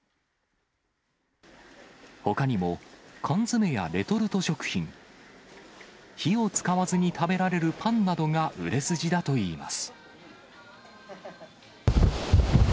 ほかにも、缶詰やレトルト食品、火を使わずに食べられるパンなどが売れ筋だといいます。